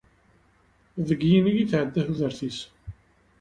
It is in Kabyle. Deg yinig i tɛedda tudert-is.